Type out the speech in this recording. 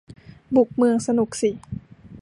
บุกเมือง สนุกสิ